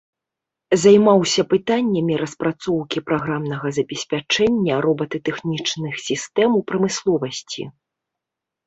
Займаўся пытаннямі распрацоўкі праграмнага забеспячэння робататэхнічных сістэм у прамысловасці.